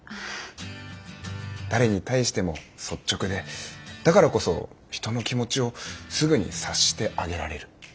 誰に対しても率直でだからこそ人の気持ちをすぐに察してあげられる。